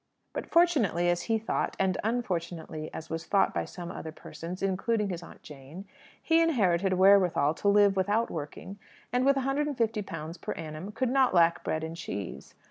But, fortunately as he thought, and unfortunately as was thought by some other persons, including his Aunt Jane, he inherited wherewithal to live without working, and, with a hundred and fifty pounds per annum, could not lack bread and cheese.